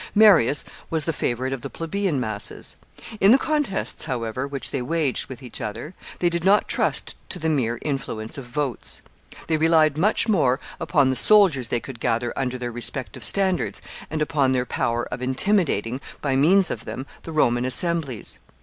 Marius was the favorite of the plebeian masses. In the contests, however, which they waged with each other, they did not trust to the mere influence of votes. They relied much more upon the soldiers they could gather under their respective standards and upon their power of intimidating, by means of them, the Roman assemblies.